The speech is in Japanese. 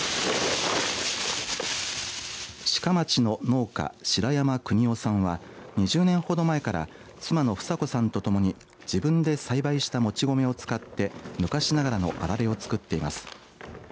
志賀町の農家、白山邦夫さんは２０年ほど前から妻のフサ子さんとともに自分で栽培したもち米を使って昔ながらのあられを作っています。